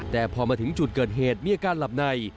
แต่พอมาถึงจุดเกิดเหตุมีอาการหลับใน